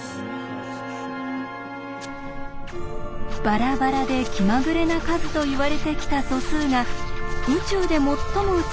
バラバラで気まぐれな数といわれてきた素数が宇宙で最も美しい形を表すπと関係がある。